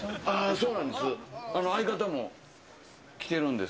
そうなんです。